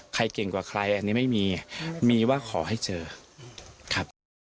เก่งกว่าใครอันนี้ไม่มีมีว่าขอให้เจอครับ